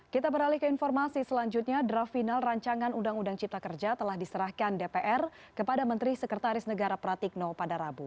kita beralih ke informasi selanjutnya draft final rancangan undang undang cipta kerja telah diserahkan dpr kepada menteri sekretaris negara pratikno pada rabu